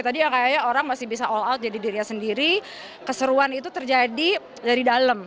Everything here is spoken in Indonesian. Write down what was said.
tadi ya kayaknya orang masih bisa all out jadi dirinya sendiri keseruan itu terjadi dari dalam